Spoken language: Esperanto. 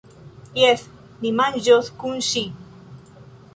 Jes, ni manĝos kun ŜI.